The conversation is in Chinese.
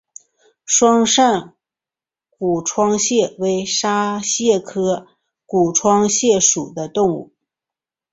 双扇股窗蟹为沙蟹科股窗蟹属的动物。